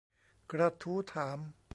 กระทู้ถาม